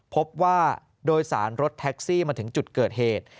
พบว่าโดยสารรถแท็กซี่มาถึงจุดเกิดเหตุ